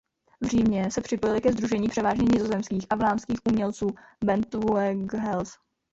V Římě se připojili ke sdružení převážně nizozemských a vlámských umělců Bentvueghels.